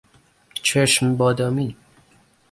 چشم بادامی